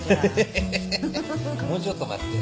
もうちょっと待って。